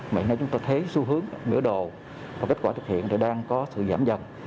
vậy nên chúng tôi thấy xu hướng mỉa đồ và kết quả thực hiện đang có sự giảm dần